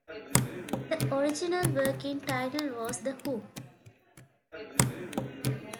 The original working title was "The Hook".